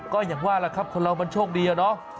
ก็อย่างว่าล่ะครับคนเรามันโชคดีอะเนาะ